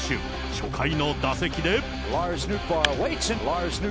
初回の打席で。